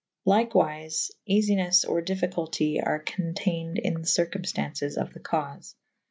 Lyke wyfe eafynes or difificultie are conteyned in the circum ftaunces of the caufe.